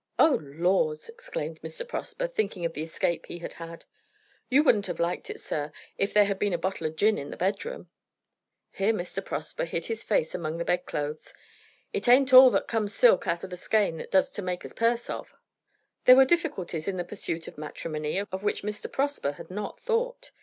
"Oh laws!" exclaimed Mr. Prosper, thinking of the escape he had had. "You wouldn't have liked it, sir, if there had been a bottle of gin in the bedroom!" Here Mr. Prosper hid his face among the bedclothes. "It ain't all that comes silk out of the skein that does to make a purse of." There were difficulties in the pursuit of matrimony of which Mr. Prosper had not thought.